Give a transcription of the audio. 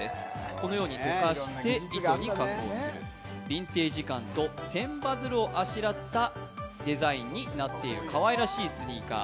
このように溶かして、糸に加工するビンテージ感と千羽鶴をあしらったデザインになっているかわいらしいスニーカー。